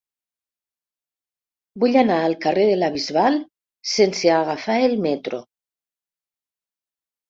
Vull anar al carrer de la Bisbal sense agafar el metro.